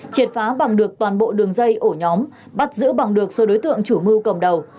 triệt phá bằng được toàn bộ đường dây ổ nhóm bắt giữ bằng được số đối tượng chủ mưu cầm đầu